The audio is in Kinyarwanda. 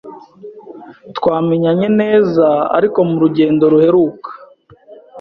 Twamenyanye neza ariko murugendo ruheruka.